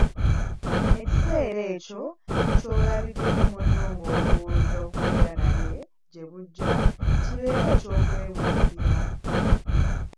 Ekiseera ekyo ky'olabiddemu munno gw'olowooza okubeera naye gye bujja kibeere eky'okwebuulirira.